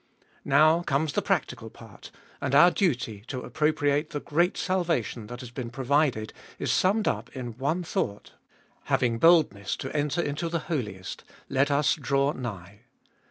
Now comes the practical part, and our duty to appropriate the great salvation that has been provided is summed up in the one thought : Having boldness to enter into the Holiest; let us draw nigh.